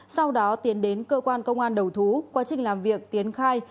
sau đó tiến đến cơ quan công an đầu thú quá trình làm việc tiến khai